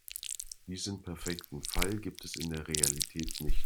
Diesen perfekten Fall gibt es in der Realität nicht.